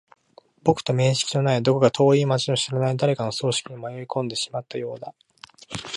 僕と面識のない、どこか遠い街の知らない誰かの葬式に迷い込んでしまったようだ。